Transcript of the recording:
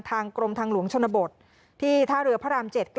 กรมทางหลวงชนบทที่ท่าเรือพระราม๗๙